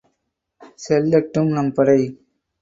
செல்லட்டும் நம் படை.